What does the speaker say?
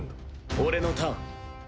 俺のターン。